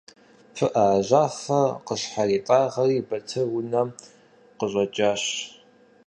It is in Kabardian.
ПыӀэ яжьафэр зыщхьэритӀагъэри Батыр унэм къыщӀэкӀащ.